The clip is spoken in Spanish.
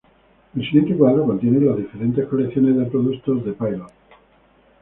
El siguiente cuadro contiene las diferentes colecciones de productos de Pilot.